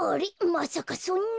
まさかそんな。